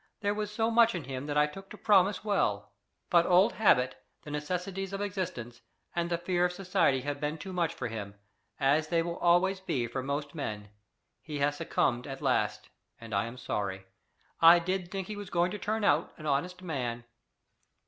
"There was so much in him that I took to promise well. But old habit, the necessities of existence, and the fear of society have been too much for him as they will always be for most men. He has succumbed at last, and I am sorry! I did think he was going to turn out an honest man!"